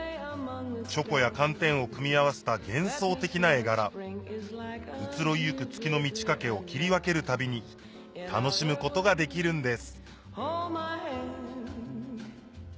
チョコや寒天を組み合わせた幻想的な絵柄移ろい行く月の満ち欠けを切り分けるたびに楽しむことができるんです